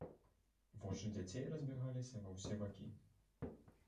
Вочы дзяцей разбягаліся ва ўсе бакі.